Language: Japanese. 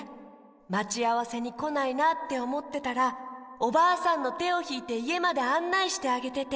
まちあわせにこないなっておもってたらおばあさんのてをひいていえまであんないしてあげてて。